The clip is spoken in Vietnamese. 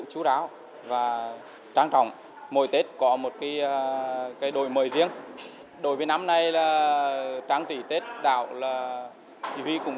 chú đáo và trang trọng mỗi tết có một cái đổi mới riêng đối với năm nay là trang trí tết đảo là chỉ huy cũng